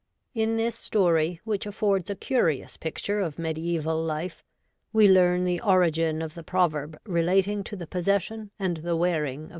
In this story, which affords a curious picture of mediaeval life, we learn the origin of the proverb relating to the possession and the wearing of the Man Mastered.